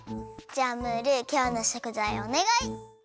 じゃあムールきょうのしょくざいおねがい！